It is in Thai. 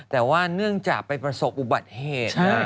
แต่ว่าเนื่องจากไปประสบอุบัติเหตุ